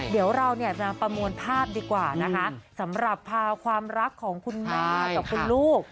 เดี๋ยวเราเนี่ยจะประมวลภาพดีกว่านะคะสำหรับพาความรักของคุณแม่กับคุณลูก